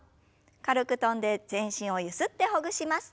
軽く跳んで全身をゆすってほぐします。